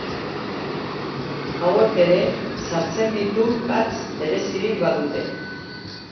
Hauek ere sartzen ditu, gatz berezirik badute.